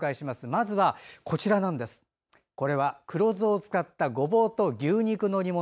まずは黒酢を使ったごぼうと牛肉の煮物。